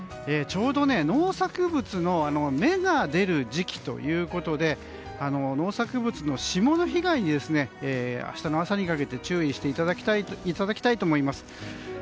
ちょうど農作物の芽が出る時期ということで農作物の霜の被害に明日の朝にかけて注意していただきたいと思います。